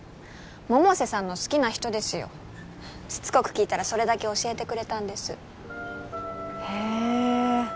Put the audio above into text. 百瀬さんの好きな人ですよしつこく聞いたらそれだけ教えてくれたんですへえ